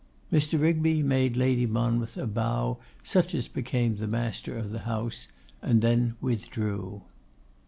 Mr. Rigby made Lady Monmouth a bow such as became the master of the house, and then withdrew.